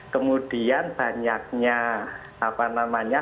kemudian banyaknya apa namanya